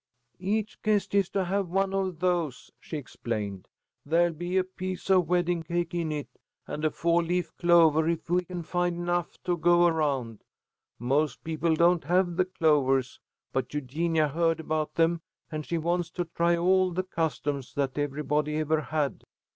"Each guest is to have one of those," she explained. "There'll be a piece of wedding cake in it, and a four leaf clover if we can find enough to go around. Most people don't have the clovers, but Eugenia heard about them, and she wants to try all the customs that everybody ever had.